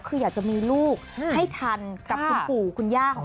คืออยากจะมีลูกให้ทันกับคุณปู่คุณย่าของ